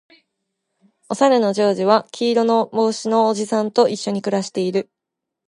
おさるのジョージは黄色の帽子のおじさんと一緒に暮らしている